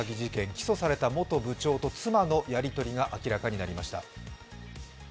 起訴された本部長と妻のやり取りが明らかになりました。